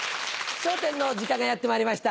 笑点の時間がやってまいりました。